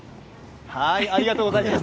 ありがとうございます。